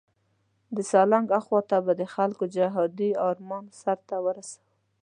د سالنګ اخواته به د خپلو خلکو جهادي آرمان سرته ورسوو.